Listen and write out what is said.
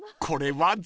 これ。